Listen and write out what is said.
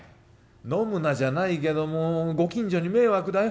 飲むなじゃないけどもうご近所に迷惑だよ。